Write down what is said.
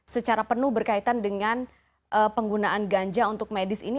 secara penuh berkaitan dengan penggunaan ganja untuk medis ini